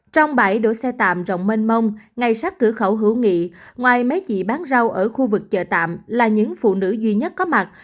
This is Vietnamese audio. trong bãi đổ xe tạm rộng mênh mông ngay sát cửa khẩu hữu nghị ngoài máy chị bán rau ở khu vực chợ tạm là những phụ nữ duy nhất có mặt